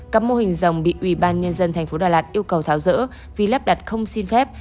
các mô hình rồng bị ủy ban nhân dân thành phố đà lạt yêu cầu tháo rỡ vì lắp đặt không xin phép